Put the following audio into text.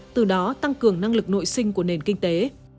từ đó tăng cường năng lực nội sinh của nền kinh tế